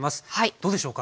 どうでしょうか？